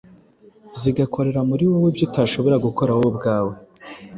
zigakorera muri wowe ibyo utashobora gukora wowe ubwawe.